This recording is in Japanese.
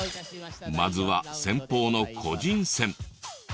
まずは先鋒の個人戦。